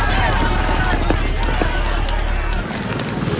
dikerahkan untuk mengatasi invasi alien